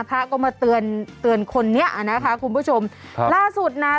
พระก็มาเตือนเตือนคนนี้อ่ะนะคะคุณผู้ชมครับล่าสุดนะ